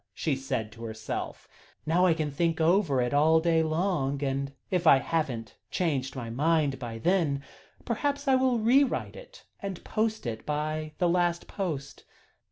she said to herself; "now I can think over it all day long, and if I haven't changed my mind by then, perhaps I will re write it and post it by the last post.